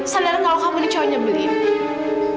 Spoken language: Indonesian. sadar kalau kamu nih cowoknya belin